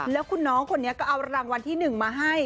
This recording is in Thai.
แล้วคุณน้องคนนี้ก็เอารางวัลที่๑มาให้